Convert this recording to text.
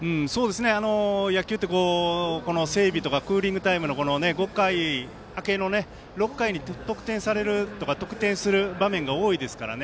野球って整備とかクーリングタイム明け５回明けの６回に得点されるとか得点する場面が多いですからね。